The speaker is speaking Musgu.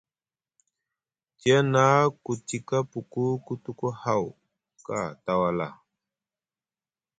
Tiyana ku tika puku ku tuku haw ka tawala.